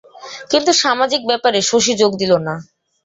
কিন্তু সামাজিক ব্যাপারে শশী যোগ দিল না।